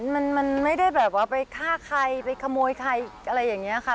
มันไม่ได้แบบว่าไปฆ่าใครไปขโมยใครอะไรอย่างนี้ค่ะ